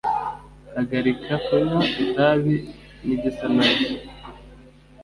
Hagarika kunywa itabi nigisa nabyo